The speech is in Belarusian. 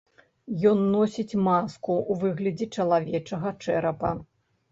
Ён носіць маску ў выглядзе чалавечага чэрапа.